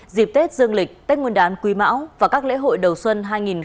dịp tết dương lịch tết nguyên đán quý mão và các lễ hội đầu xuân hai nghìn hai mươi bốn